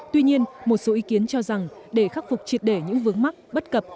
tuy nhiên một số ý kiến cho rằng để khắc phục triệt để những vướng mắc bất cập